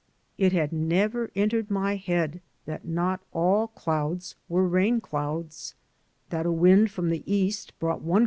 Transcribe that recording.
It had never entered my head that not all clouds were rain clouds; that a wind from the east brought one.